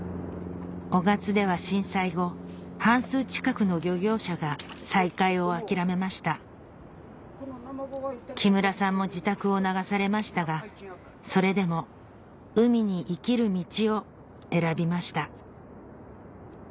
雄勝では震災後半数近くの漁業者が再開を諦めました木村さんも自宅を流されましたがそれでも海に生きる道を選びました